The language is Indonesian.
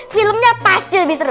filmnya pasti lebih seru